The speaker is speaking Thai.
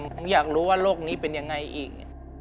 ผมอยากรู้ว่าโรคนี้เป็นยังไงอีก